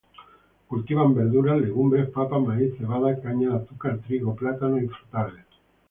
Cultivan verduras, legumbres, papa, maíz, cebada, caña de azúcar, trigo, plátano y frutales.